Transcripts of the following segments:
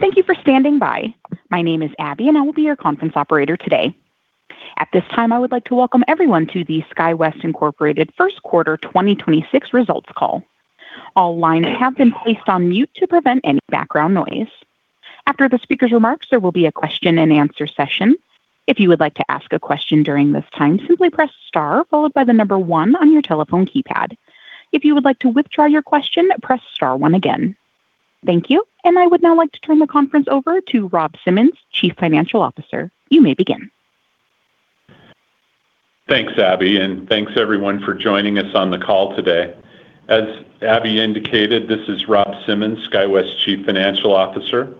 Thank you for standing by. My name is Abby and I will be your conference operator today. At this time, I would like to welcome everyone to the SkyWest, Inc. Q1 2026 Results Call. All lineshave been placed on mute to prevent any background noise. After the speaker's remarks, there will be a question and answer session. If you would like to ask a question during this time, simply press star followed by the number 1 on your telephone keypad. If you would like to withdraw your question, press star 1 again. Thank you. I would now like to turn the conference over to Rob Simmons, Chief Financial Officer. You may begin. Thanks, Abby, and thanks everyone for joining us on the call today. As Abby indicated, this is Rob Simmons, SkyWest Chief Financial Officer.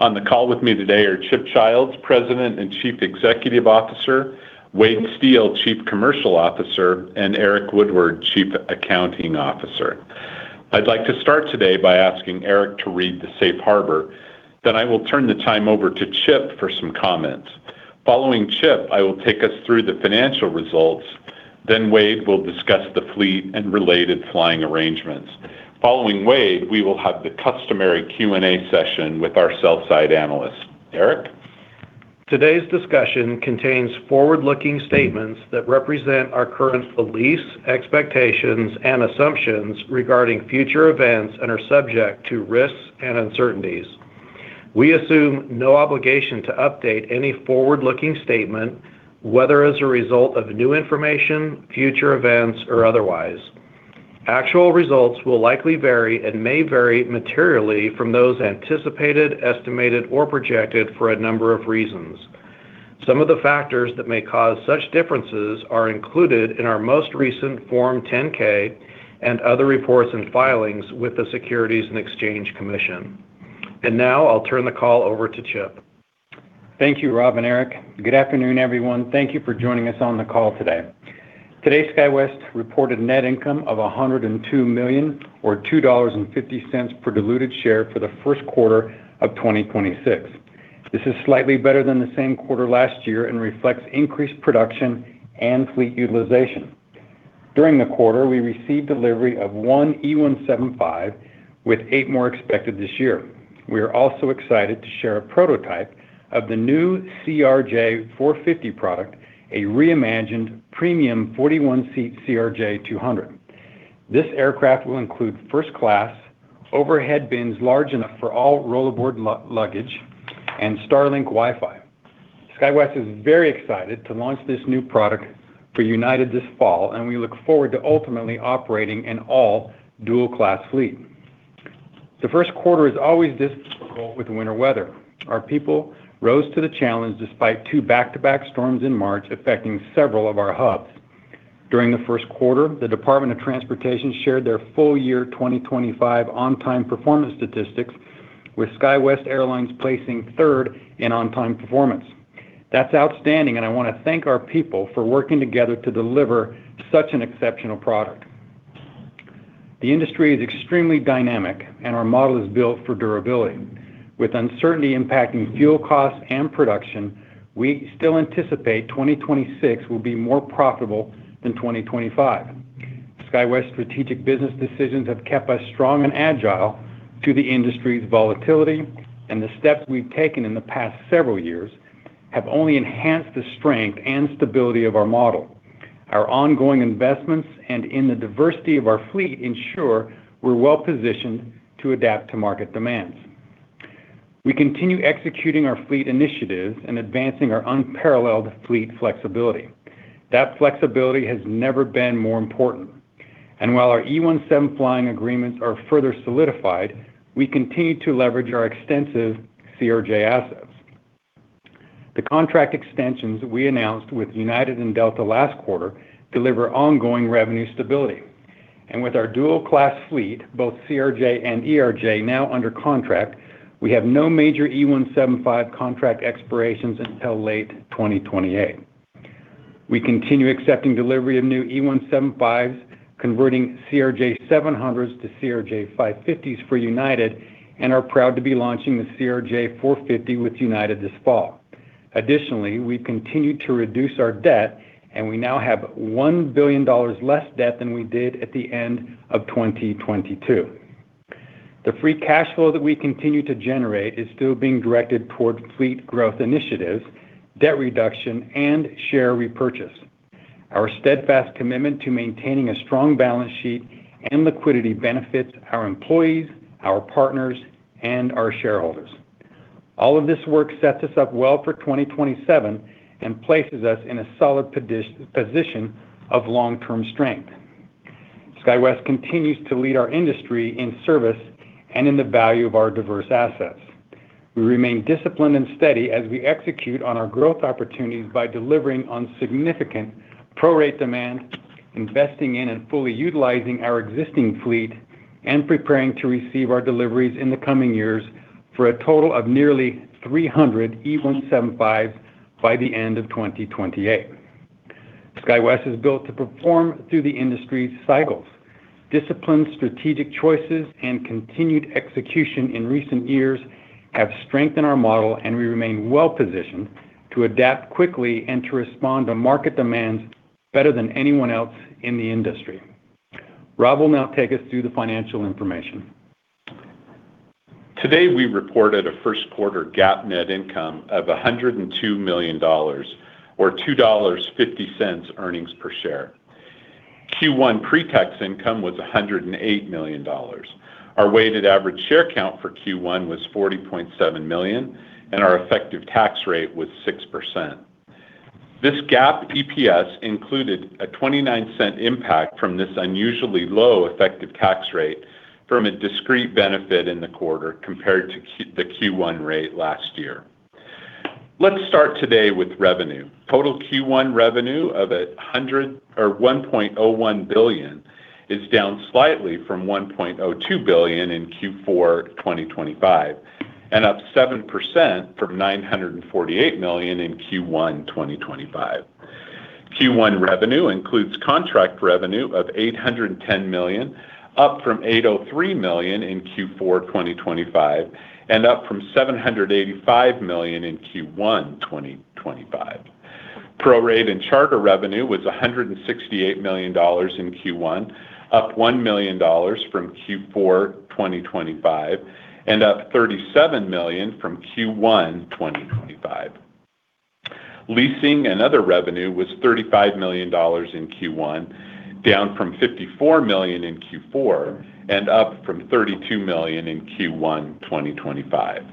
On the call with me today are Chip Childs, President and Chief Executive Officer, Wade Steel, Chief Commercial Officer, and Eric Woodward, Chief Accounting Officer. I'd like to start today by asking Eric to read the safe harbor. Then I will turn the time over to Chip for some comments. Following Chip, I will take us through the financial results, then Wade will discuss the fleet and related flying arrangements. Following Wade, we will have the customary Q&A session with our sell-side analysts. Eric? Today's discussion contains forward-looking statements that represent our current beliefs, expectations, and assumptions regarding future events and are subject to risks and uncertainties. We assume no obligation to update any forward-looking statement, whether as a result of new information, future events, or otherwise. Actual results will likely vary and may vary materially from those anticipated, estimated, or projected for a number of reasons. Some of the factors that may cause such differences are included in our most recent Form 10-K and other reports and filings with the Securities and Exchange Commission. Now I'll turn the call over to Chip. Thank you, Rob and Eric. Good afternoon, everyone. Thank you for joining us on the call today. Today, SkyWest reported net income of $102 million or $2.50 per diluted share for the Q1 of 2026. This is slightly better than the same quarter last year and reflects increased production and fleet utilization. During the quarter, we received delivery of one E175 with eight more expected this year. We are also excited to share a prototype of the new CRJ 450 product, a reimagined premium 41-seat CRJ 200. This aircraft will include 1st class, overhead bins large enough for all rollaboard luggage, and Starlink Wi-Fi. SkyWest is very excited to launch this new product for United this fall, and we look forward to ultimately operating an all dual-class fleet. The Q1 is always difficult with winter weather. Our people rose to the challenge despite two back-to-back storms in March affecting several of our hubs. During the Q1, the Department of Transportation shared their full year 2025 on-time performance statistics with SkyWest Airlines placing 3rd in on-time performance. That's outstanding, and I want to thank our people for working together to deliver such an exceptional product. The industry is extremely dynamic and our model is built for durability. With uncertainty impacting fuel costs and production, we still anticipate 2026 will be more profitable than 2025. SkyWest's strategic business decisions have kept us strong and agile to the industry's volatility, and the steps we've taken in the past several years have only enhanced the strength and stability of our model. Our ongoing investments and in the diversity of our fleet ensure we're well-positioned to adapt to market demands. We continue executing our fleet initiatives and advancing our unparalleled fleet flexibility. That flexibility has never been more important. While our E175 flying agreements are further solidified, we continue to leverage our extensive CRJ assets. The contract extensions we announced with United and Delta last quarter deliver ongoing revenue stability. With our dual-class fleet, both CRJ and ERJ now under contract, we have no major E175 contract expirations until late 2028. We continue accepting delivery of new E175s, converting CRJ 700s to CRJ 550s for United and are proud to be launching the CRJ 450 with United this fall. Additionally, we've continued to reduce our debt and we now have $1 billion less debt than we did at the end of 2022. The free cash flow that we continue to generate is still being directed toward fleet growth initiatives, debt reduction, and share repurchase. Our steadfast commitment to maintaining a strong balance sheet and liquidity benefits our employees, our partners, and our shareholders. All of this work sets us up well for 2027 and places us in a solid position of long-term strength. SkyWest continues to lead our industry in service and in the value of our diverse assets. We remain disciplined and steady as we execute on our growth opportunities by delivering on significant prorate demand, investing in and fully utilizing our existing fleet, and preparing to receive our deliveries in the coming years for a total of nearly 300 E175s by the end of 2028. SkyWest is built to perform through the industry's cycles. Disciplined strategic choices and continued execution in recent years have strengthened our model, and we remain well-positioned to adapt quickly and to respond to market demands better than anyone else in the industry. Rob will now take us through the financial information. Today, we reported a Q1 GAAP net income of $102 million or $2.50 earnings per share. Q1 pre-tax income was $108 million. Our weighted average share count for Q1 was 40.7 million and our effective tax rate was 6%. This GAAP EPS included a $0.29 impact from this unusually low effective tax rate from a discrete benefit in the quarter compared to the Q1 rate last year. Let's start today with revenue. Total Q1 revenue of $1.01 billion is down slightly from $1.02 billion in Q4 2025 and up 7% from $948 million in Q1 2025. Q1 revenue includes contract revenue of $810 million, up from $803 million in Q4 2025 and up from $785 million in Q1 2025. Prorate and charter revenue was $168 million in Q1, up $1 million from Q4 2025 and up $37 million from Q1 2025. Leasing and other revenue was $35 million in Q1, down from $54 million in Q4 and up from $32 million in Q1 2025.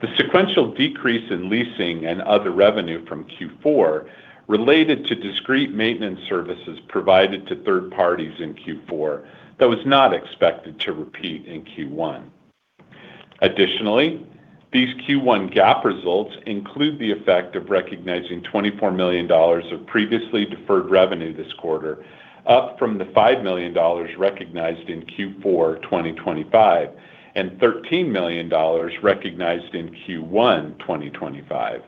The sequential decrease in leasing and other revenue from Q4 related to discrete maintenance services provided to 3rd parties in Q4. That was not expected to repeat in Q1. Additionally, these Q1 GAAP results include the effect of recognizing $24 million of previously deferred revenue this quarter, up from the $5 million recognized in Q4 2025 and $13 million recognized in Q1 2025.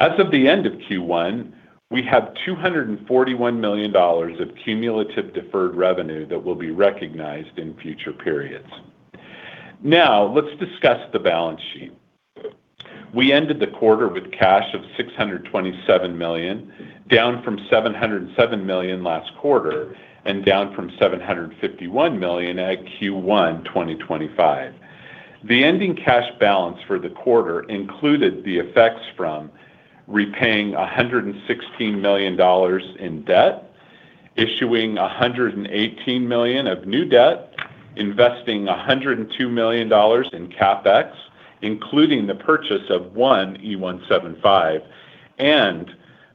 As of the end of Q1, we have $241 million of cumulative deferred revenue that will be recognized in future periods. Now, let's discuss the balance sheet. We ended the quarter with cash of $627 million, down from $707 million last quarter and down from $751 million at Q1 2025. The ending cash balance for the quarter included the effects from repaying $116 million in debt, issuing $118 million of new debt, investing $102 million in CapEx, including the purchase of one E175, and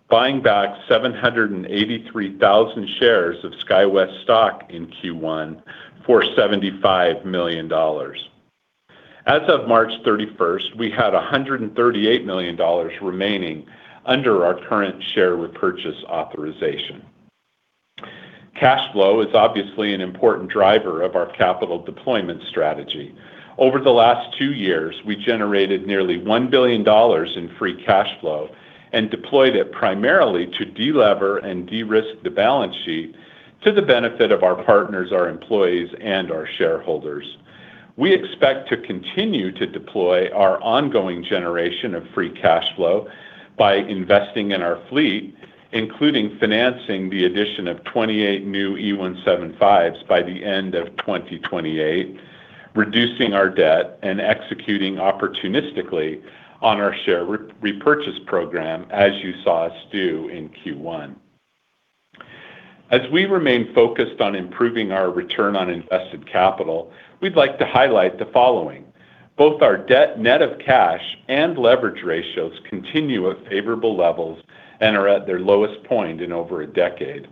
buying back 783,000 shares of SkyWest stock in Q1 for $75 million. As of March 31st, we had $138 million remaining under our current share repurchase authorization. Cash flow is obviously an important driver of our capital deployment strategy. Over the last 2 years, we generated nearly $1 billion in free cash flow and deployed it primarily to delever and de-risk the balance sheet to the benefit of our partners, our employees, and our shareholders. We expect to continue to deploy our ongoing generation of free cash flow by investing in our fleet, including financing the addition of 28 new E175s by the end of 2028, reducing our debt and executing opportunistically on our share repurchase program as you saw us do in Q1. As we remain focused on improving our return on invested capital, we'd like to highlight the following. Both our debt net of cash and leverage ratios continue at favorable levels and are at their lowest point in over a decade.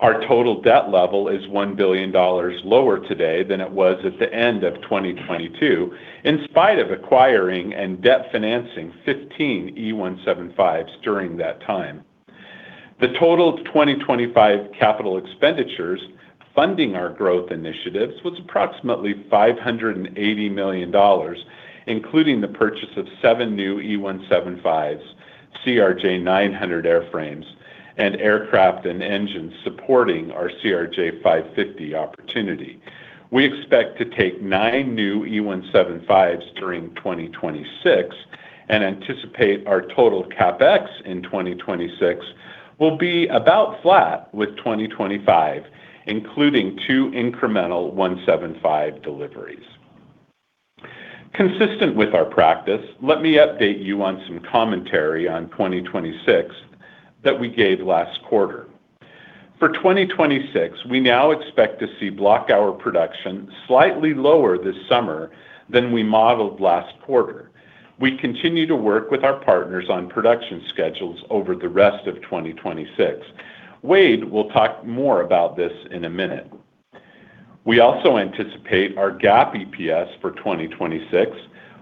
Our total debt level is $1 billion lower today than it was at the end of 2022, in spite of acquiring and debt-financing 15 E175s during that time. The total 2025 capital expenditures funding our growth initiatives was approximately $580 million, including the purchase of seven new E175s, CRJ-900 airframes, and aircraft and engines supporting our CRJ-550 opportunity. We expect to take 9 new E175s during 2026 and anticipate our total CapEx in 2026 will be about flat with 2025, including 2 incremental 175 deliveries. Consistent with our practice, let me update you on some commentary on 2026 that we gave last quarter. For 2026, we now expect to see block hour production slightly lower this summer than we modeled last quarter. We continue to work with our partners on production schedules over the rest of 2026. Wade will talk more about this in a minute. We also anticipate our GAAP EPS for 2026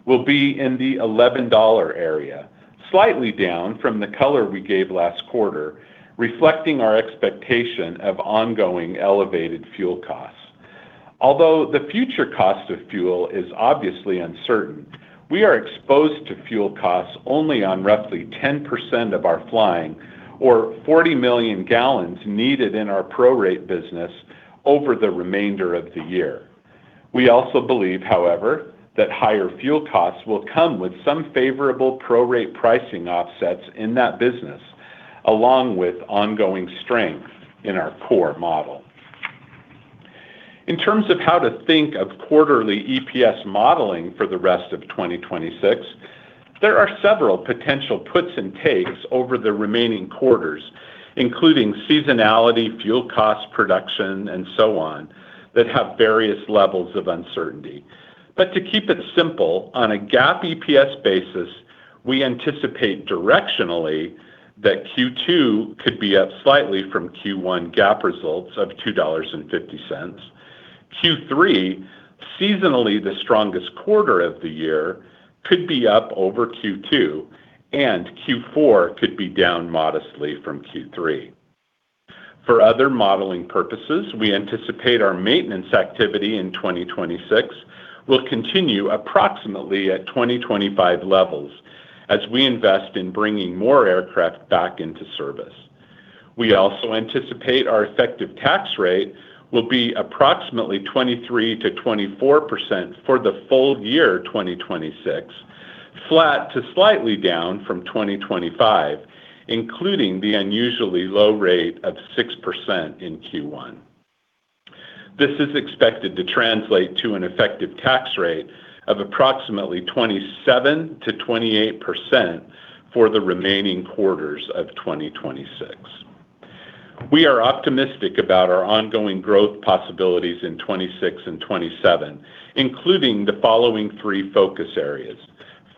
will be in the $11 area, slightly down from the color we gave last quarter, reflecting our expectation of ongoing elevated fuel costs. Although the future cost of fuel is obviously uncertain, we are exposed to fuel costs only on roughly 10% of our flying or 40 million gallons needed in our prorate business over the remainder of the year. We also believe, however, that higher fuel costs will come with some favorable prorate pricing offsets in that business, along with ongoing strength in our core model. In terms of how to think of quarterly EPS modeling for the rest of 2026, there are several potential puts and takes over the remaining quarters, including seasonality, fuel costs, production, and so on, that have various levels of uncertainty. To keep it simple, on a GAAP EPS basis, we anticipate directionally that Q2 could be up slightly from Q1 GAAP results of $2.50. Q3, seasonally the strongest quarter of the year, could be up over Q2, and Q4 could be down modestly from Q3. For other modeling purposes, we anticipate our maintenance activity in 2026 will continue approximately at 2025 levels as we invest in bringing more aircraft back into service. We also anticipate our effective tax rate will be approximately 23%-24% for the full year 2026, flat to slightly down from 2025, including the unusually low rate of 6% in Q1. This is expected to translate to an effective tax rate of approximately 27%-28% for the remaining quarters of 2026. We are optimistic about our ongoing growth possibilities in 2026 and 2027, including the following 3 focus areas.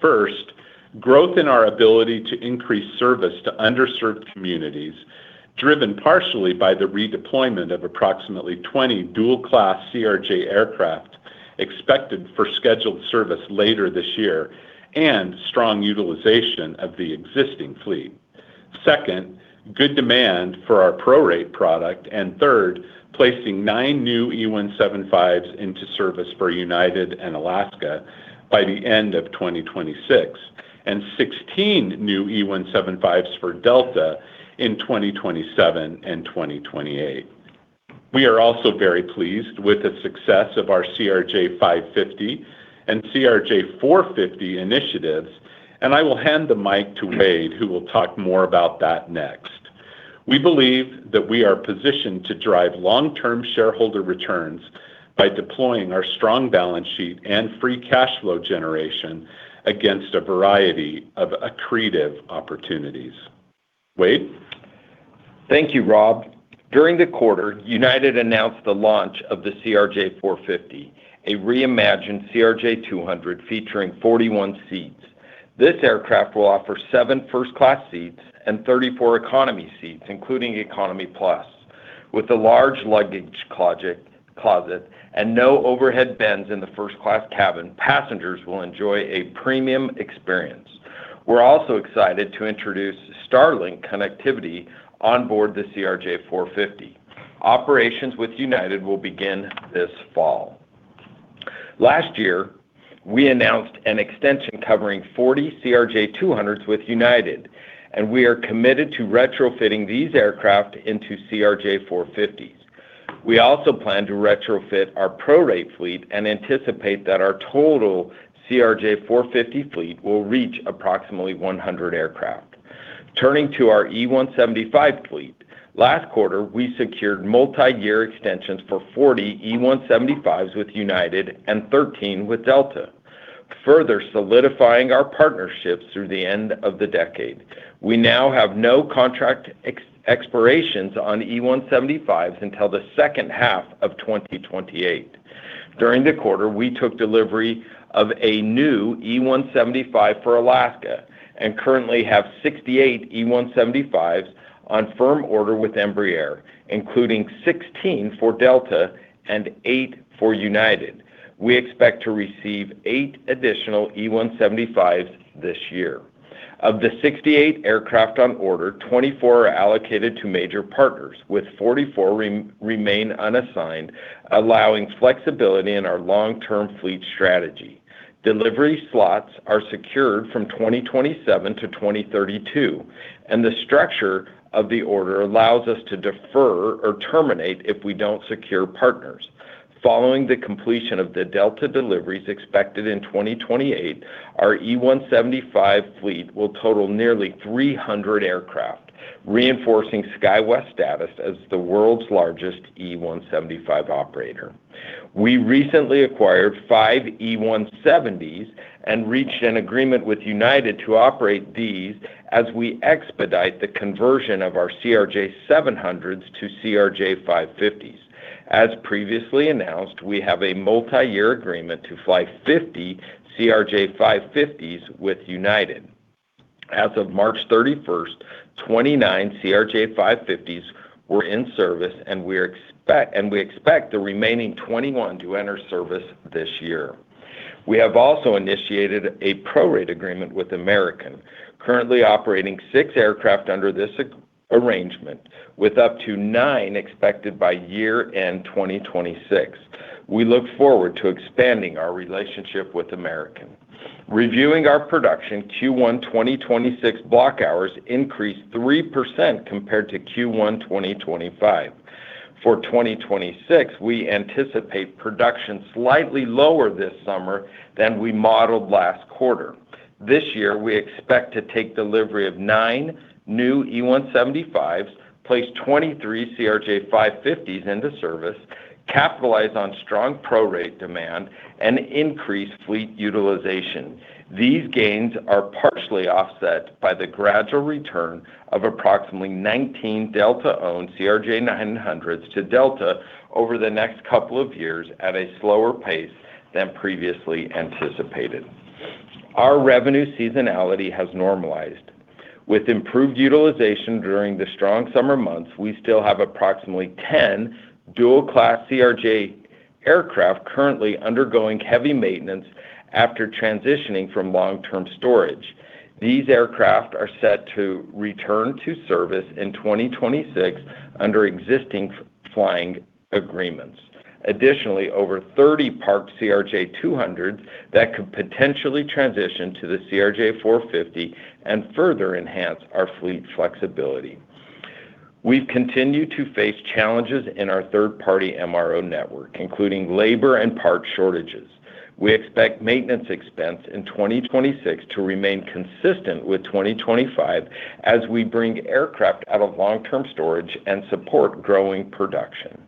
1st, growth in our ability to increase service to underserved communities, driven partially by the redeployment of approximately 20 dual-class CRJ aircraft expected for scheduled service later this year, and strong utilization of the existing fleet. 2nd, good demand for our prorate product, and 3rd, placing 9 new E175s into service for United and Alaska by the end of 2026, and 16 new E175s for Delta in 2027 and 2028. We are also very pleased with the success of our CRJ-550 and CRJ-450 initiatives, and I will hand the mic to Wade, who will talk more about that next. We believe that we are positioned to drive long-term shareholder returns by deploying our strong balance sheet and free cash flow generation against a variety of accretive opportunities. Wade? Thank you, Rob. During the quarter, United announced the launch of the CRJ-450, a reimagined CRJ-200 featuring 41 seats. This aircraft will offer 7 first class seats and 34 economy seats, including economy plus. With the large luggage closet and no overhead bins in the 1st class cabin, passengers will enjoy a premium experience. We're also excited to introduce Starlink connectivity on board the CRJ-450. Operations with United will begin this fall. Last year, we announced an extension covering 40 CRJ-200s with United, and we are committed to retrofitting these aircraft into CRJ-450s. We also plan to retrofit our prorate fleet and anticipate that our total CRJ-450 fleet will reach approximately 100 aircraft. Turning to our E175 fleet, last quarter, we secured multi-year extensions for 40 E175s with United and 13 with Delta, further solidifying our partnerships through the end of the decade. We now have no contract expirations on E175s until the H2 of 2028. During the quarter, we took delivery of a new E175 for Alaska and currently have 68 E175s on firm order with Embraer, including 16 for Delta and 8 for United. We expect to receive 8 additional E175s this year. Of the 68 aircraft on order, 24 are allocated to major partners with 44 remain unassigned, allowing flexibility in our long-term fleet strategy. Delivery slots are secured from 2027 to 2032, and the structure of the order allows us to defer or terminate if we don't secure partners. Following the completion of the Delta deliveries expected in 2028, our E175 fleet will total nearly 300 aircraft, reinforcing SkyWest's status as the world's largest E175 operator. We recently acquired 5 E170s and reached an agreement with United to operate these as we expedite the conversion of our CRJ-700s to CRJ-550s. As previously announced, we have a multi-year agreement to fly 50 CRJ-550s with United. As of March 31st, 29 CRJ-550s were in service, and we expect the remaining 21 to enter service this year. We have also initiated a prorate agreement with American, currently operating 6 aircraft under this arrangement, with up to 9 expected by year-end 2026. We look forward to expanding our relationship with American. Reviewing our production, Q1 2026 block hours increased 3% compared to Q1 2025. For 2026, we anticipate production slightly lower this summer than we modeled last quarter. This year, we expect to take delivery of 9 new E175s, place 23 CRJ-550s into service, capitalize on strong prorate demand, and increase fleet utilization. These gains are partially offset by the gradual return of approximately 19 Delta-owned CRJ-900s to Delta over the next couple of years at a slower pace than previously anticipated. Our revenue seasonality has normalized. With improved utilization during the strong summer months, we still have approximately 10 dual-class CRJ aircraft currently undergoing heavy maintenance after transitioning from long-term storage. These aircraft are set to return to service in 2026 under existing flying agreements. Additionally, over 30 parked CRJ-200s that could potentially transition to the CRJ-450 and further enhance our fleet flexibility. We've continued to face challenges in our 3rd-party MRO network, including labor and part shortages. We expect maintenance expense in 2026 to remain consistent with 2025 as we bring aircraft out of long-term storage and support growing production.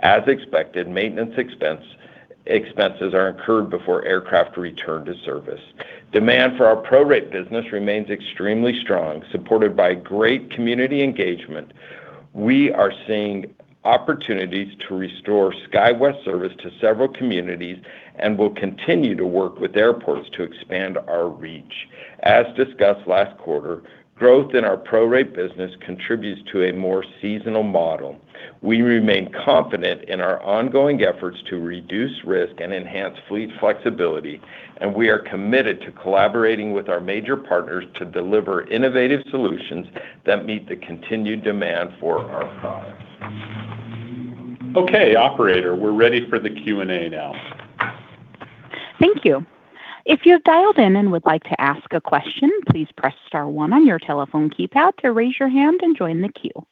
As expected, maintenance expenses are incurred before aircraft return to service. Demand for our prorate business remains extremely strong, supported by great community engagement. We are seeing opportunities to restore SkyWest service to several communities and will continue to work with airports to expand our reach. As discussed last quarter, growth in our prorate business contributes to a more seasonal model. We remain confident in our ongoing efforts to reduce risk and enhance fleet flexibility, and we are committed to collaborating with our major partners to deliver innovative solutions that meet the continued demand for our products. Okay, operator, we're ready for the Q&A now. Thank you. If you have dialed in and would like to ask a question, please press star 1 on your telephone keypad to raise your hand and join the queue.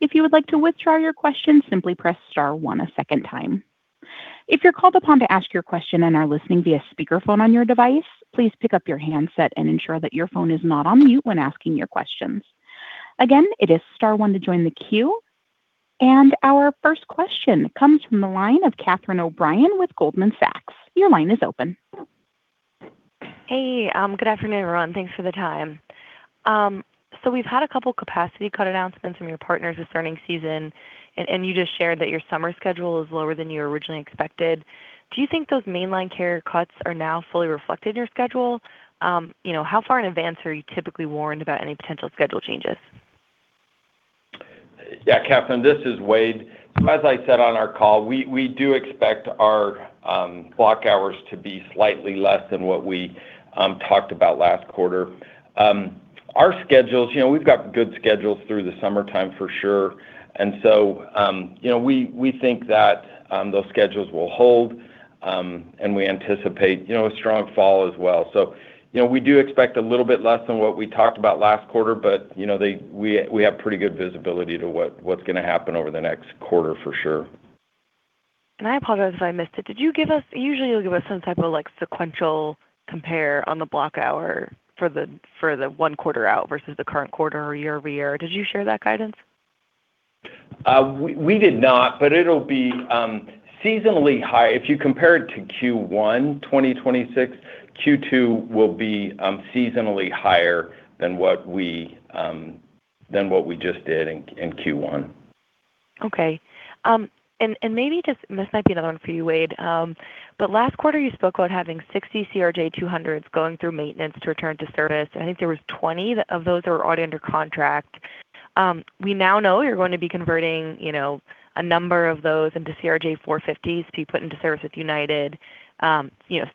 If you would like to withdraw your question, simply press star 1 a second time. If you're called upon to ask your question and are listening via speakerphone on your device, please pick up your handset and ensure that your phone is not on mute when asking your questions. Again, it is star one to join the queue. Our 1st question comes from the line of Catherine O'Brien with Goldman Sachs. Your line is open. Hey, good afternoon, everyone. Thanks for the time. We've had a couple capacity cut announcements from your partners this earnings season, and you just shared that your summer schedule is lower than you originally expected. Do you think those mainline carrier cuts are now fully reflected in your schedule? How far in advance are you typically warned about any potential schedule changes? Yeah, Catherine, this is Wade Steel. As I said on our call, we do expect our block hours to be slightly less than what we talked about last quarter. Our schedules, we've got good schedules through the summertime for sure, and so we think that those schedules will hold, and we anticipate a strong fall as well. We do expect a little bit less than what we talked about last quarter, but we have pretty good visibility to what's going to happen over the next quarter for sure. I apologize if I missed it. Did you give us, usually you'll give us some type of sequential compare on the block hour for the one quarter out versus the current quarter or year-over-year. Did you share that guidance? We did not, but it'll be seasonally high. If you compare it to Q1 2026, Q2 will be seasonally higher than what we just did in Q1. Okay. Maybe just, this might be another one for you, Wade, but last quarter you spoke about having 60 CRJ-200s going through maintenance to return to service, and I think there was 20 of those that were already under contract. We now know you're going to be converting a number of those into CRJ-450s to be put into service with United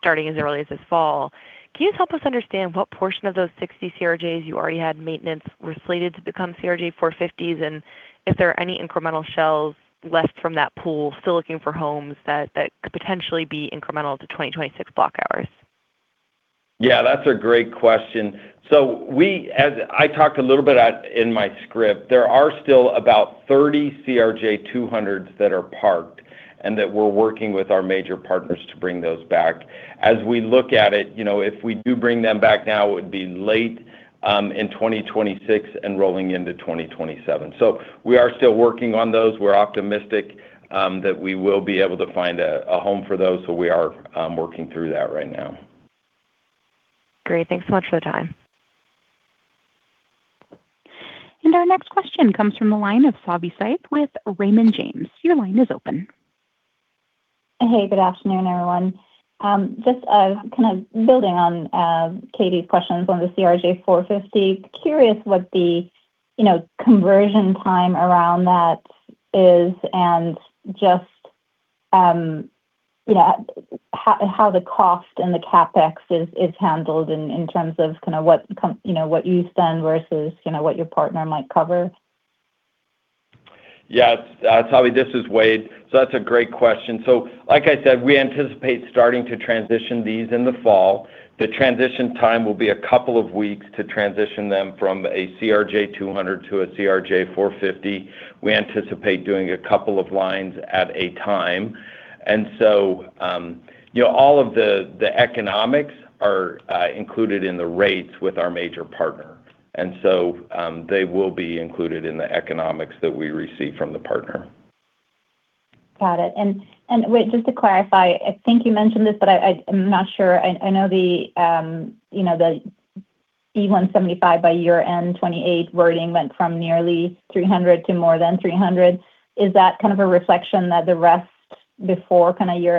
starting as early as this fall. Can you help us understand what portion of those 60 CRJs you already had in maintenance were slated to become CRJ-450s, and if there are any incremental shells left from that pool still looking for homes that could potentially be incremental to 2026 block hours? Yeah, that's a great question. As I talked a little bit in my script, there are still about 30 CRJ-200s that are parked and that we're working with our major partners to bring those back. As we look at it, if we do bring them back now, it would be late in 2026 and rolling into 2027. We are still working on those. We're optimistic that we will be able to find a home for those. We are working through that right now. Great. Thanks so much for the time. Our next question comes from the line of Savanthi Syth with Raymond James. Your line is open. Hey, good afternoon, everyone. Just kind of building on Katie's questions on the CRJ-450. I'm curious what the conversion time around that is and just how the cost and the CapEx is handled in terms of what you spend versus what your partner might cover. Yes. Savanthi, this is Wade. That's a great question. Like I said, we anticipate starting to transition these in the fall. The transition time will be a couple of weeks to transition them from a CRJ-200 to a CRJ-450. We anticipate doing a couple of lines at a time. All of the economics are included in the rates with our major partner. They will be included in the economics that we receive from the partner. Got it. Wade, just to clarify, I think you mentioned this, but I'm not sure. I know the E175 by year-end 2028 wording went from nearly 300 to more than 300. Is that a reflection that the rest before,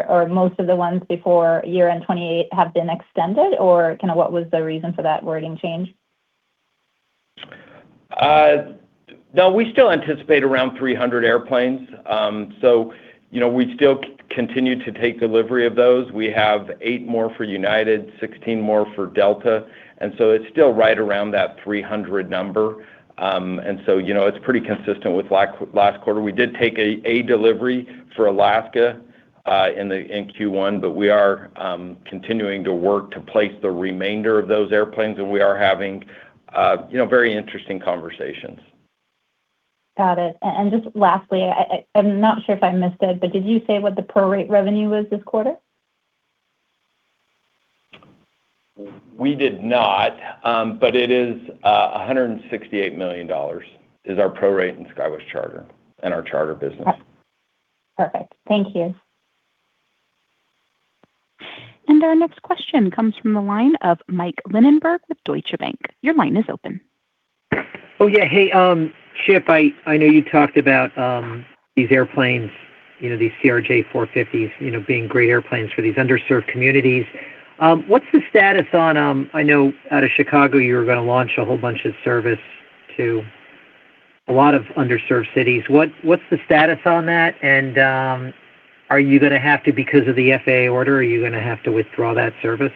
or most of the ones before year-end 2028 have been extended, or what was the reason for that wording change? No, we still anticipate around 300 airplanes. We still continue to take delivery of those. We have eight more for United, 16 more for Delta, and so it's still right around that 300 number. It's pretty consistent with last quarter. We did take a delivery for Alaska in Q1, but we are continuing to work to place the remainder of those airplanes, and we are having very interesting conversations. Got it. Just lastly, I'm not sure if I missed it, but did you say what the prorate revenue was this quarter? We did not. It is $168 million, our prorate in SkyWest Charter and our charter business. Perfect. Thank you. Our next question comes from the line of Michael Linenberg with Deutsche Bank. Your line is open. Oh, yeah. Hey, Chip, I know you talked about these airplanes, these CRJ-450s being great airplanes for these underserved communities. What's the status on, I know out of Chicago, you were going to launch a whole bunch of service to a lot of underserved cities. What's the status on that, and are you going to have to, because of the FAA order, are you going to have to withdraw that service?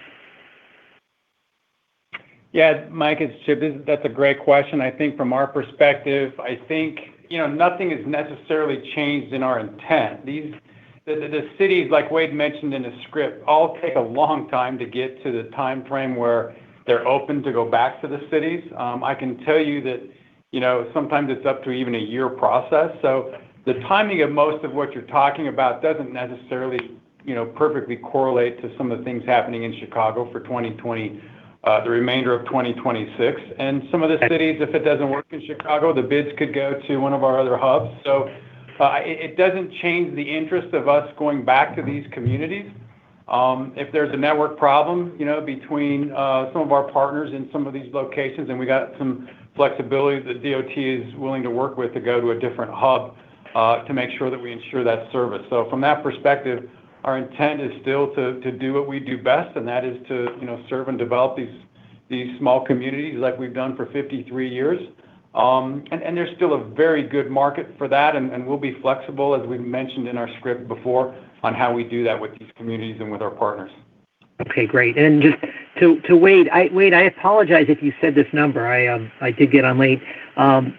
Yeah, Mike, it's Chip. That's a great question. I think from our perspective, I think nothing has necessarily changed in our intent. The cities, like Wade mentioned in the script, all take a long time to get to the timeframe where they're open to go back to the cities. I can tell you that sometimes it's up to even a year process. The timing of most of what you're talking about doesn't necessarily perfectly correlate to some of the things happening in Chicago for the remainder of 2026. Some of the cities, if it doesn't work in Chicago, the bids could go to one of our other hubs. It doesn't change the interest of us going back to these communities. If there's a network problem between some of our partners in some of these locations, then we got some flexibility that DOT is willing to work with to go to a different hub, to make sure that we ensure that service. From that perspective, our intent is still to do what we do best, and that is to serve and develop these small communities like we've done for 53 years. There's still a very good market for that, and we'll be flexible, as we've mentioned in our script before, on how we do that with these communities and with our partners. Okay, great. Just to Wade, I apologize if you said this number. I did get on late.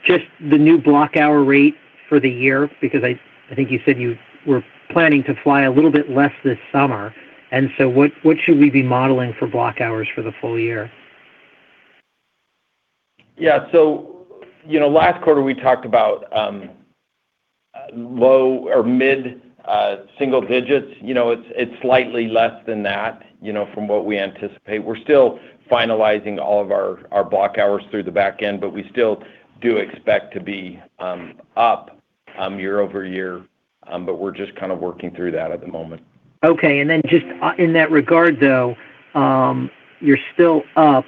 Just the new block hour rate for the year, because I think you said you were planning to fly a little bit less this summer, and so what should we be modeling for block hours for the full year? Yeah. Last quarter, we talked about low or mid-single digits. It's slightly less than that from what we anticipate. We're still finalizing all of our block hours through the back end, but we still do expect to be up year-over-year. We're just kind of working through that at the moment. Okay, and then just in that regard, though, you're still up,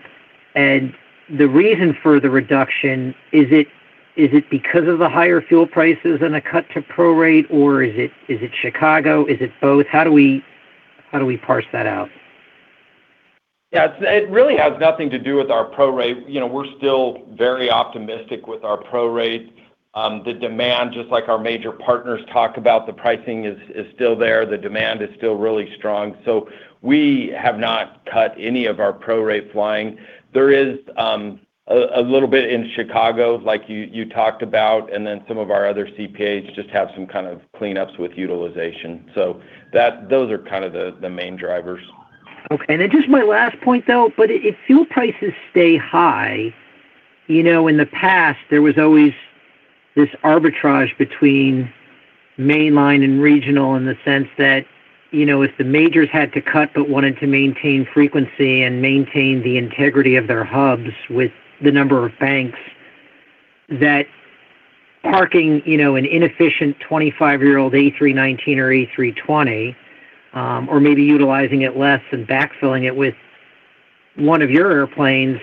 and the reason for the reduction, is it because of the higher fuel prices and a cut to prorate, or is it Chicago? Is it both? How do we parse that out? Yeah. It really has nothing to do with our prorate. We're still very optimistic with our prorate. The demand, just like our major partners talk about, the pricing is still there. The demand is still really strong. We have not cut any of our prorate flying. There is a little bit in Chicago, like you talked about, and then some of our other CPAs just have some kind of cleanups with utilization. Those are kind of the main drivers. Okay. Then just my last point, though. If fuel prices stay high, in the past, there was always this arbitrage between mainline and regional in the sense that if the majors had to cut but wanted to maintain frequency and maintain the integrity of their hubs with the number of banks, that parking an inefficient 25-year-old A319 or A320, or maybe utilizing it less and backfilling it with one of your airplanes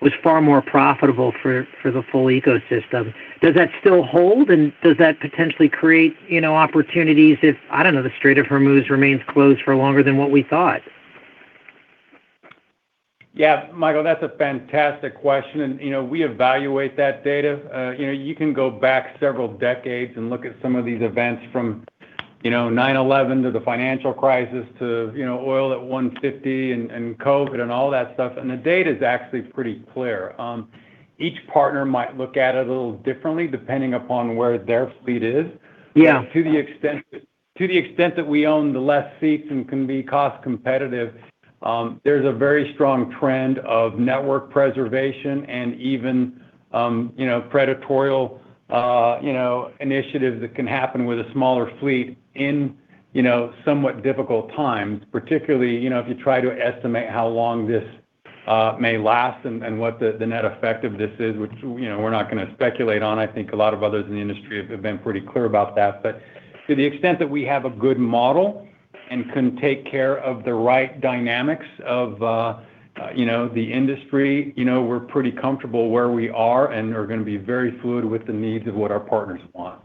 was far more profitable for the full ecosystem. Does that still hold, and does that potentially create opportunities if, I don't know, the Strait of Hormuz remains closed for longer than what we thought? Yeah. Michael, that's a fantastic question. We evaluate that data. You can go back several decades and look at some of these events from. You know, 9/11 to the financial crisis to oil at $150 and COVID and all that stuff, and the data's actually pretty clear. Each partner might look at it a little differently depending upon where their fleet is. Yeah. To the extent that we own the leased seats and can be cost competitive, there's a very strong trend of network preservation and even predatory initiatives that can happen with a smaller fleet in somewhat difficult times. Particularly, if you try to estimate how long this may last and what the net effect of this is, which we're not going to speculate on. I think a lot of others in the industry have been pretty clear about that. To the extent that we have a good model and can take care of the right dynamics of the industry, we're pretty comfortable where we are and are going to be very fluid with the needs of what our partners want.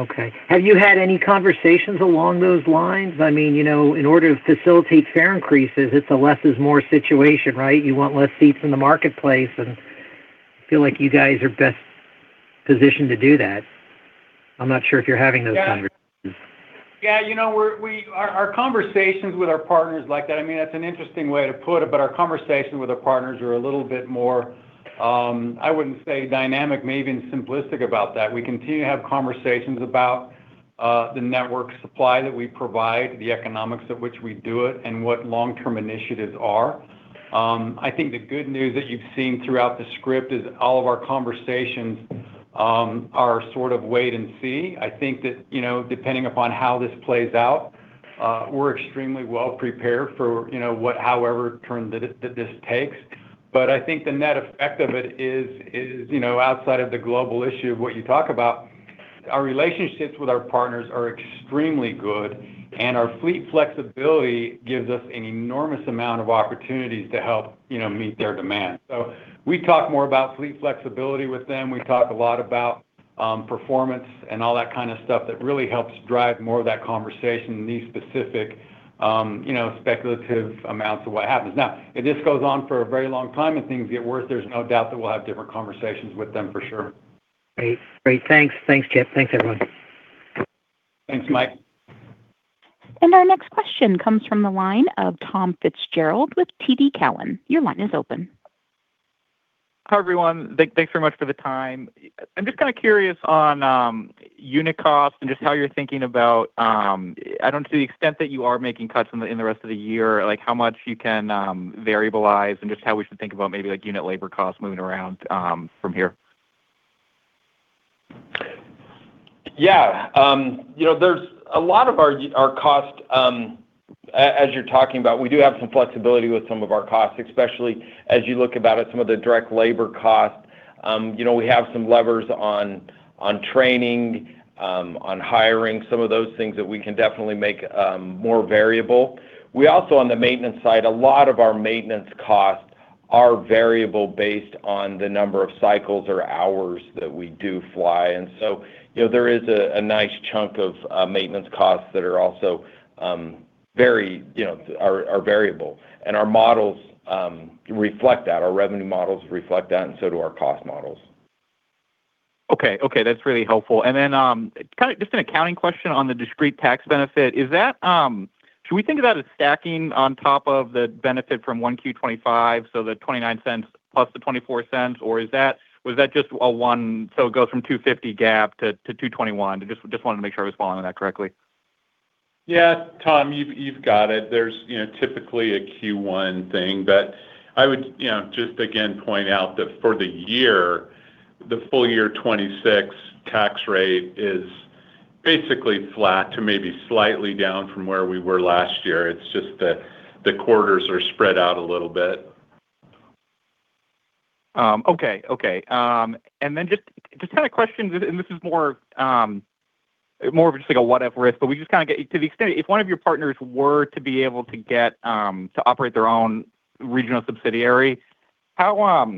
Okay. Have you had any conversations along those lines? In order to facilitate fare increases, it's a less is more situation, right? You want less seats in the marketplace, and I feel like you guys are best positioned to do that. I'm not sure if you're having those conversations. Yeah. Our conversations with our partners like that's an interesting way to put it, but our conversations with our partners are a little bit more. I wouldn't say dynamic, maybe simplistic about that. We continue to have conversations about the network supply that we provide, the economics at which we do it, and what long-term initiatives are. I think the good news that you've seen throughout the script is all of our conversations are sort of wait and see. I think that depending upon how this plays out, we're extremely well prepared for whatever turn that this takes. I think the net effect of it is, outside of the global issue of what you talk about, our relationships with our partners are extremely good, and our fleet flexibility gives us an enormous amount of opportunities to help meet their demands. We talk more about fleet flexibility with them. We talk a lot about performance and all that kind of stuff that really helps drive more of that conversation in these specific speculative amounts of what happens. Now, if this goes on for a very long time and things get worse, there's no doubt that we'll have different conversations with them, for sure. Great. Thanks. Thanks, Chip. Thanks, everyone. Thanks, Mike. Our next question comes from the line of Tom Fitzgerald with TD Cowen. Your line is open. Hi, everyone. Thanks very much for the time. I'm just kind of curious on unit cost and just how you're thinking about, I don't know, to the extent that you are making cuts in the rest of the year, how much you can variabilize and just how we should think about maybe unit labor costs moving around from here. Yeah. A lot of our cost, as you're talking about, we do have some flexibility with some of our costs, especially as you look about at some of the direct labor costs. We have some levers on training, on hiring, some of those things that we can definitely make more variable. We also, on the maintenance side, a lot of our maintenance costs are variable based on the number of cycles or hours that we do fly in. There is a nice chunk of maintenance costs that are variable, and our models reflect that. Our revenue models reflect that, and so do our cost models. Okay. That's really helpful. Just an accounting question on the discrete tax benefit. Should we think of that as stacking on top of the benefit from 1Q 2025, so the $0.29 plus the $0.24, or was that just a one, so it goes from $2.50 gap to $2.21? Just wanted to make sure I was following that correctly. Yeah, Tom, you've got it. There's typically a Q1 thing, but I would just, again, point out that for the year, the full year 2026 tax rate is basically flat to maybe slightly down from where we were last year. It's just that the quarters are spread out a little bit. Okay. just kind of questioning, and this is more of just like a what if risk, but we just kind of get to the extent, if one of your partners were to be able to operate their own regional subsidiary, how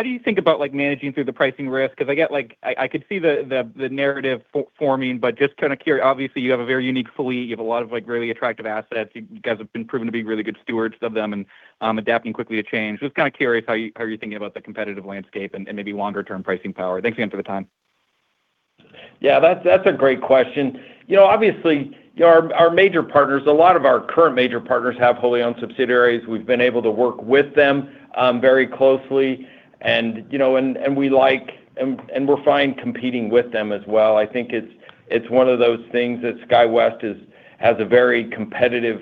do you think about managing through the pricing risk? Because I could see the narrative forming, but just kind of curious. Obviously, you have a very unique fleet. You have a lot of really attractive assets. You guys have been proven to be really good stewards of them and adapting quickly to change. Just kind of curious how you're thinking about the competitive landscape and maybe longer-term pricing power. Thanks again for the time. Yeah, that's a great question. Obviously, our major partners, a lot of our current major partners have wholly owned subsidiaries. We've been able to work with them very closely, and we're fine competing with them as well. I think it's one of those things that SkyWest has a very competitive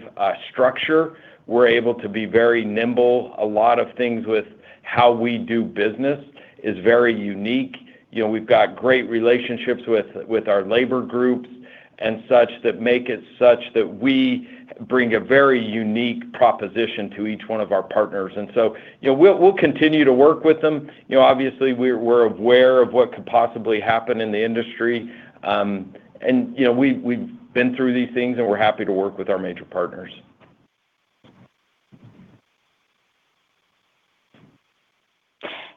structure. We're able to be very nimble. A lot of things with how we do business is very unique. We've got great relationships with our labor groups and such that make it such that we bring a very unique proposition to each one of our partners. We'll continue to work with them. Obviously, we're aware of what could possibly happen in the industry. We've been through these things, and we're happy to work with our major partners.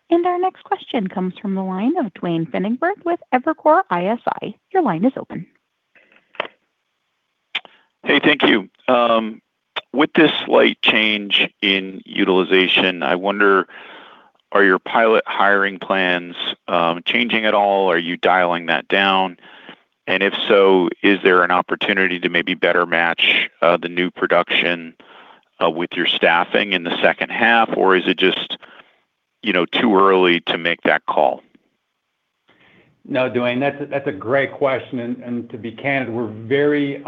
Our next question comes from the line of Duane Pfennigwerth with Evercore ISI. Your line is open. Hey, thank you. With this slight change in utilization, I wonder. Are your pilot hiring plans changing at all? Are you dialing that down? If so, is there an opportunity to maybe better match the new production with your staffing in the H2? Is it just too early to make that call? No, Duane, that's a great question. To be candid, we're very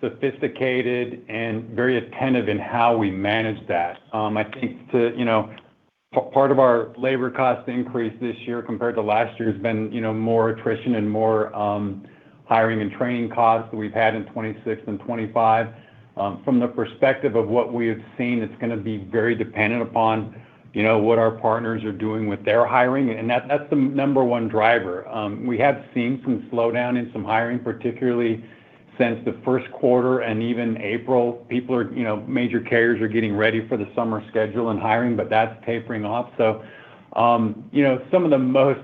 sophisticated and very attentive in how we manage that. I think part of our labor cost increase this year compared to last year has been more attrition and more hiring and training costs than we've had in 2026 and 2025. From the perspective of what we have seen, it's going to be very dependent upon what our partners are doing with their hiring, and that's the number one driver. We have seen some slowdown in some hiring, particularly since the Q1 and even April. Major carriers are getting ready for the summer schedule and hiring, but that's tapering off. Some of the most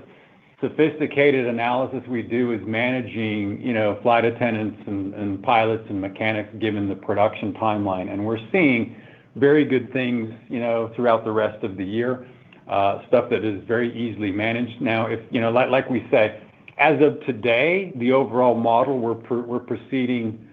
sophisticated analysis we do is managing flight attendants and pilots and mechanics given the production timeline. We're seeing very good things throughout the rest of the year, stuff that is very easily managed. Now, like we said, as of today, the overall model, we're proceeding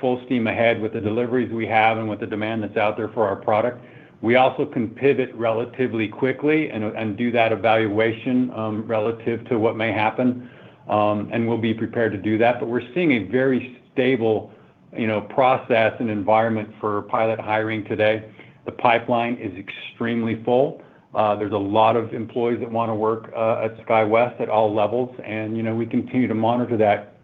full steam ahead with the deliveries we have and with the demand that's out there for our product. We also can pivot relatively quickly and do that evaluation relative to what may happen, and we'll be prepared to do that. We're seeing a very stable process and environment for pilot hiring today. The pipeline is extremely full. There's a lot of employees that want to work at SkyWest at all levels. We continue to monitor that,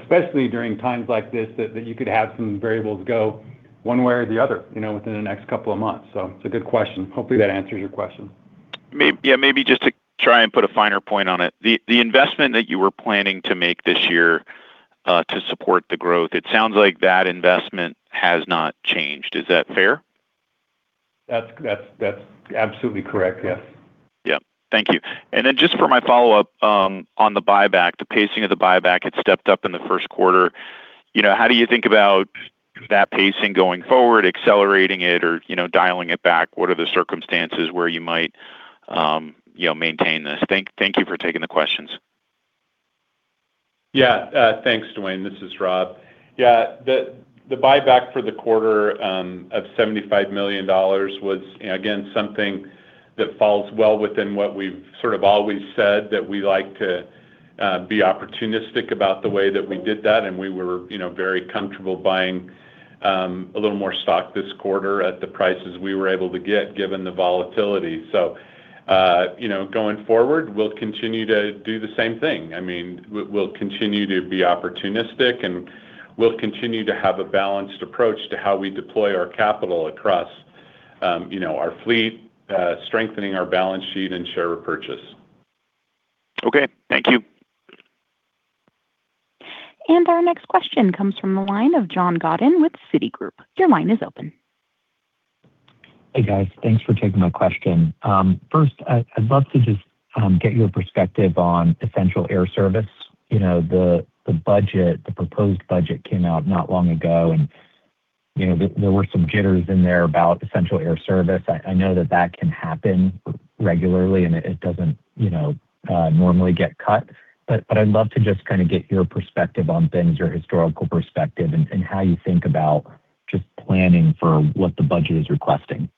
especially during times like this that you could have some variables go one way or the other within the next couple of months. It's a good question. Hopefully, that answers your question. Yeah. Maybe just to try and put a finer point on it, the investment that you were planning to make this year to support the growth, it sounds like that investment has not changed. Is that fair? That's absolutely correct. Yes. Yeah. Thank you. Just for my follow-up on the buyback, the pacing of the buyback had stepped up in the Q1. How do you think about that pacing going forward, accelerating it or dialing it back? What are the circumstances where you might maintain this? Thank you for taking the questions. Yeah. Thanks, Duane. This is Rob. Yeah. The buyback for the quarter of $75 million was, again, something that falls well within what we've sort of always said, that we like to be opportunistic about the way that we did that, and we were very comfortable buying a little more stock this quarter at the prices we were able to get given the volatility. Going forward, we'll continue to do the same thing. We'll continue to be opportunistic and we'll continue to have a balanced approach to how we deploy our capital across our fleet, strengthening our balance sheet and share repurchase. Okay. Thank you. Our next question comes from the line of John Godin with Citigroup. Your line is open. Hey, guys. Thanks for taking my question. 1st, I'd love to just get your perspective on Essential Air Service. The proposed budget came out not long ago, and there were some jitters in there about Essential Air Service. I know that that can happen regularly, and it doesn't normally get cut. I'd love to just kind of get your perspective on things, your historical perspective, and how you think about just planning for what the budget is requesting.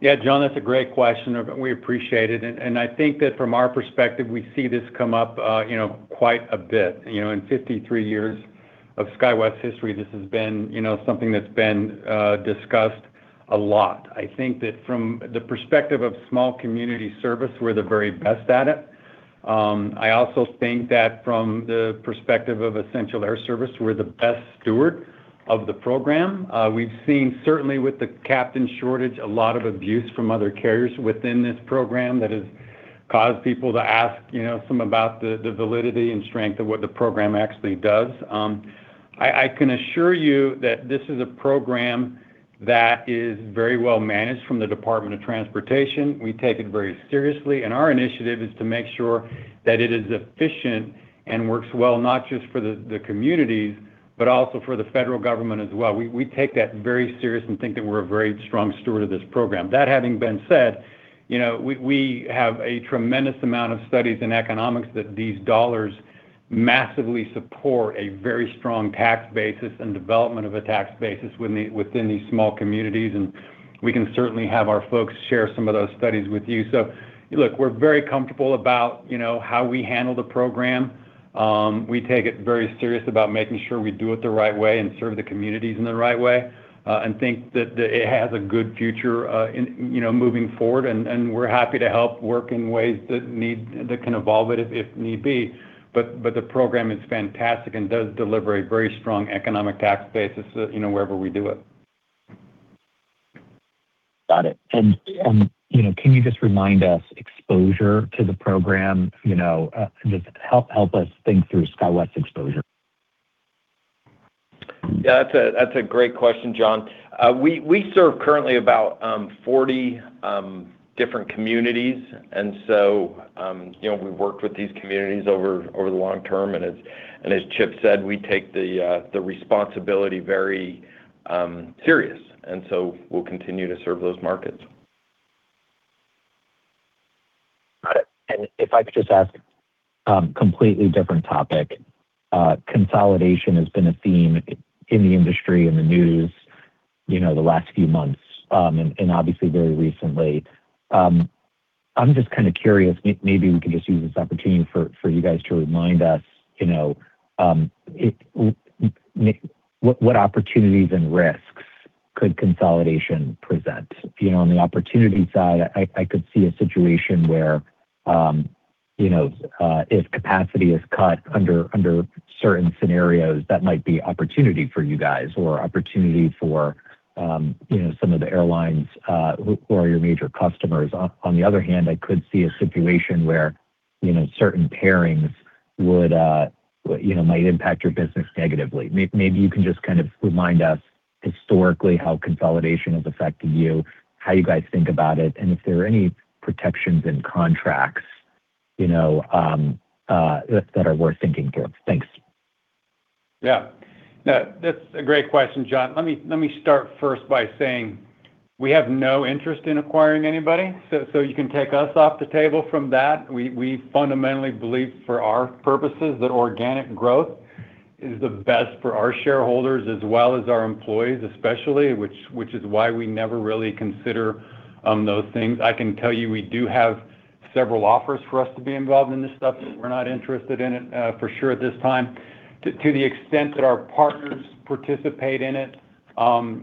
Yeah. John, that's a great question. We appreciate it. I think that from our perspective, we see this come up quite a bit. In 53 years of SkyWest's history, this has been something that's been discussed a lot. I think that from the perspective of small community service, we're the very best at it. I also think that from the perspective of Essential Air Service, we're the best steward of the program. We've seen, certainly with the captain shortage, a lot of abuse from other carriers within this program that has caused people to ask some about the validity and strength of what the program actually does. I can assure you that this is a program that is very well-managed from the Department of Transportation. We take it very seriously, and our initiative is to make sure that it is efficient and works well, not just for the communities, but also for the federal government as well. We take that very serious and think that we're a very strong steward of this program. That having been said, we have a tremendous amount of studies in economics that these dollars massively support a very strong tax basis and development of a tax basis within these small communities, and we can certainly have our folks share some of those studies with you. Look, we're very comfortable about how we handle the program. We take it very seriously about making sure we do it the right way and serve the communities in the right way and think that it has a good future moving forward, and we're happy to help work in ways that can evolve it if need be. The program is fantastic and does deliver a very strong economic tax base wherever we do it. Got it. Can you just remind us of exposure to the program? Just help us think through SkyWest's exposure. Yeah, that's a great question, John. We serve currently about 40 different communities, and so we've worked with these communities over the long term, and as Chip said, we take the responsibility very serious, and so we'll continue to serve those markets. If I could just ask about a completely different topic. Consolidation has been a theme in the industry, in the news the last few months, and obviously very recently. I'm just kind of curious, maybe we could just use this opportunity for you guys to remind us what opportunities and risks could consolidation present? On the opportunity side, I could see a situation where if capacity is cut under certain scenarios, that might be opportunity for you guys or opportunity for some of the airlines who are your major customers. On the other hand, I could see a situation where certain pairings might impact your business negatively. Maybe you can just kind of remind us historically how consolidation has affected you, how you guys think about it, and if there are any protections in contracts that are worth thinking through. Thanks. Yeah. No, that's a great question, John. Let me start 1st by saying we have no interest in acquiring anybody, so you can take us off the table from that. We fundamentally believe for our purposes that organic growth is the best for our shareholders as well as our employees especially, which is why we never really consider those things. I can tell you we do have several offers for us to be involved in this stuff, but we're not interested in it, for sure at this time. To the extent that our partners participate in it,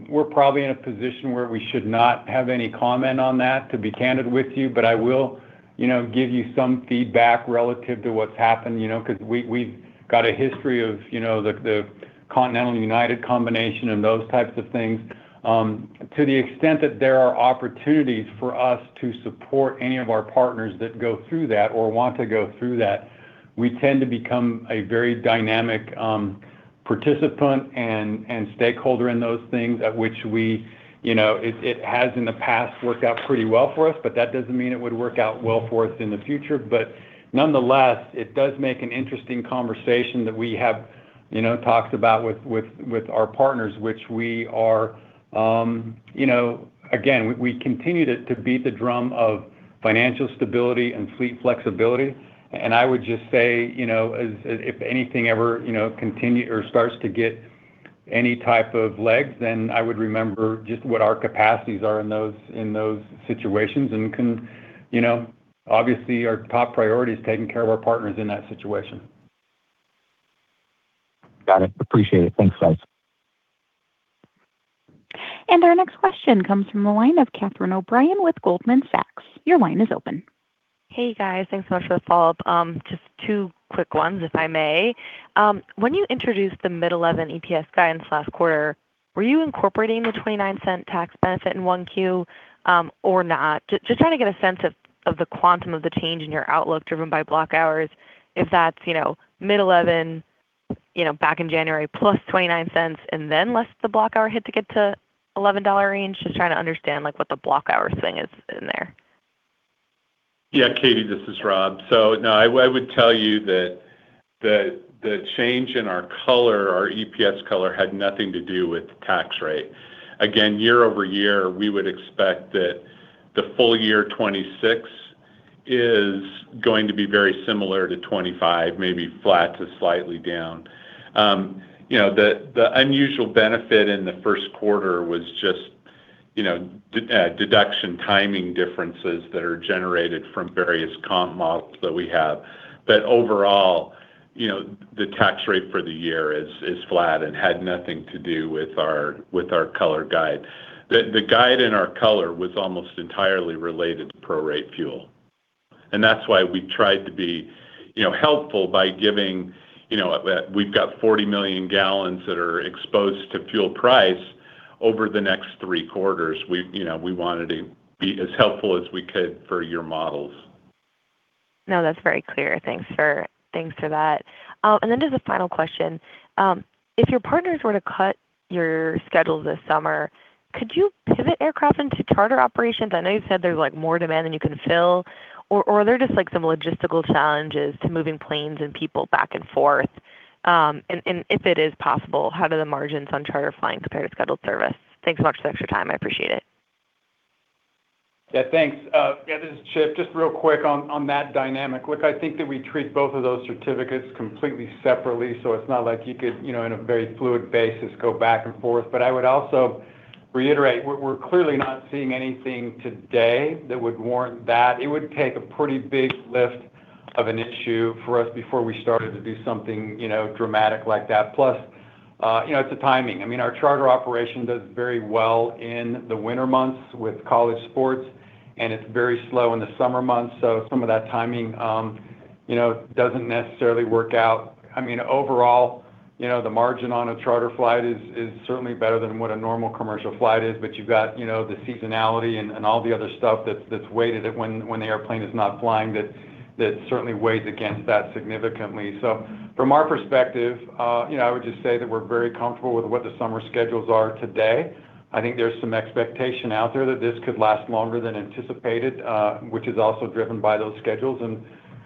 we're probably in a position where we should not have any comment on that, to be candid with you. I will give you some feedback relative to what's happened, because we've got a history of the Continental and United combination and those types of things. To the extent that there are opportunities for us to support any of our partners that go through that or want to go through that, we tend to become a very dynamic participant and stakeholder in those things. It has in the past worked out pretty well for us, but that doesn't mean it would work out well for us in the future. Nonetheless, it does make an interesting conversation that we have talks about with our partners, which again, we continue to beat the drum of financial stability and fleet flexibility. I would just say, if anything ever continue or starts to get any type of legs, then I would remember just what our capacities are in those situations, obviously our top priority is taking care of our partners in that situation. Got it. Appreciate it. Thanks, guys. Our next question comes from the line of Catherine O'Brien with Goldman Sachs. Your line is open. Hey, guys. Thanks so much for the follow-up. Just two quick ones, if I may. When you introduced the mid-$11 EPS guidance last quarter, were you incorporating the $0.29 tax benefit in 1Q or not? Just trying to get a sense of the quantum of the change in your outlook driven by block hours, if that's mid-$11 back in January, plus $0.29 and then less the block hour hit to get to $11 range. Just trying to understand what the block hour thing is in there. Yeah, Katie, this is Rob. No, I would tell you that the change in our color, our EPS color, had nothing to do with the tax rate. Again, year-over-year, we would expect that the full year 2026 is going to be very similar to 2025, maybe flat to slightly down. The unusual benefit in the Q1 was just deduction timing differences that are generated from various comp models that we have. Overall, the tax rate for the year is flat and had nothing to do with our color guide. The guide in our color was almost entirely related to prorate fuel. That's why we tried to be helpful by giving. We've got 40 million gallons that are exposed to fuel price over the next 3/4. We wanted to be as helpful as we could for your models. No, that's very clear. Thanks for that. Just a final question. If your partners were to cut your schedule this summer, could you pivot aircraft into charter operations? I know you said there's more demand than you can fill, or are there just some logistical challenges to moving planes and people back and forth? If it is possible, how do the margins on charter flying compare to scheduled service? Thanks so much for the extra time. I appreciate it. Yeah, thanks. Yeah, this is Chip. Just real quick on that dynamic. Look, I think that we treat both of those certificates completely separately, so it's not like you could, in a very fluid basis, go back and forth. I would also reiterate, we're clearly not seeing anything today that would warrant that. It would take a pretty big lift of an issue for us before we started to do something dramatic like that. Plus, it's the timing. I mean, our charter operation does very well in the winter months with college sports, and it's very slow in the summer months. Some of that timing doesn't necessarily work out. I mean, overall, the margin on a charter flight is certainly better than what a normal commercial flight is, but you've got the seasonality and all the other stuff that's weighted when the airplane is not flying that certainly weighs against that significantly. So from our perspective, I would just say that we're very comfortable with what the summer schedules are today. I think there's some expectation out there that this could last longer than anticipated, which is also driven by those schedules.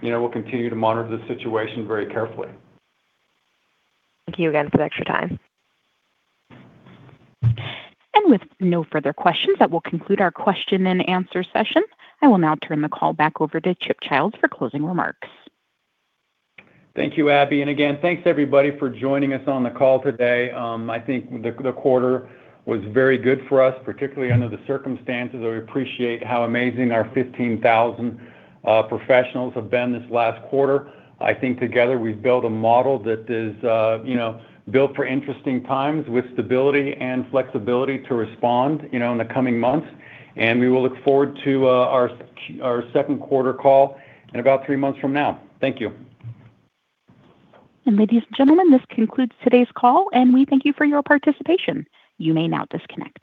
We'll continue to monitor the situation very carefully. Thank you again for the extra time. With no further questions, that will conclude our question and answer session. I will now turn the call back over to Chip Childs for closing remarks. Thank you, Abby. Again, thanks everybody for joining us on the call today. I think the quarter was very good for us, particularly under the circumstances. I appreciate how amazing our 15,000 professionals have been this last quarter. I think together we've built a model that is built for interesting times with stability and flexibility to respond in the coming months. We will look forward to our Q2 call in about 3 months from now. Thank you. Ladies and gentlemen, this concludes today's call, and we thank you for your participation. You may now disconnect.